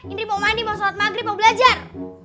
indri mau mandi mau sholat maghrib mau belajar